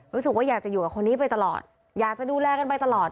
รู้สึกว่าอยากจะอยู่กับคนนี้ไปตลอดอยากจะดูแลกันไปตลอด